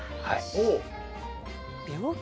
おお！